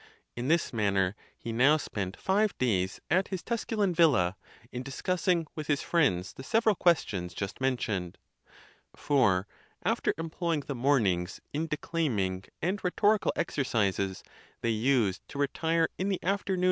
In this manner he now spent five days at his Tusculan' villa in dis cussing with his friends the several questions just men tioned. For, after employing the mornings in declaiming and rhetorical exercises, they used to retire in the after 8 THE TUSCULAN DISPUTATIONS.